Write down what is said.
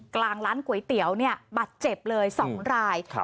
กลางร้านก๋วยเตี๋ยวเนี่ยบาดเจ็บเลย๒ราย